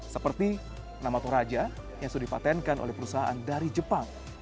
seperti namatoraja yang sudah dipatenkan oleh perusahaan dari jepang